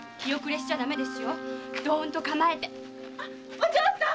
お嬢さん！